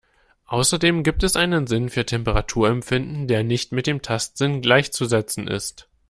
Außerdem gibt es einen Sinn für Temperaturempfinden, der nicht mit dem Tastsinn gleichzusetzen ist.